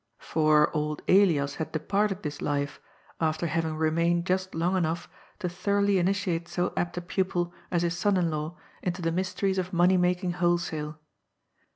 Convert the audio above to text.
For old Elias had departed this life after having re mained just long enough to thoroughly initiate so apt a pupil as his son in law into the mysteries of money making wholesale.